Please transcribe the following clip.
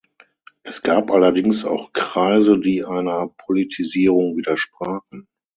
Es gab allerdings auch Kreise, die einer Politisierung widersprachen.